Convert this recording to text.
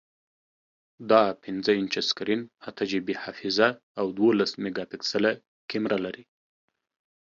دا پنځه انچه سکرین، اته جی بی حافظه، او دولس میګاپکسله کیمره لري.